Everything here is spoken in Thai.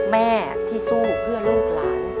แม่ที่สู้เพื่อลูกหลาน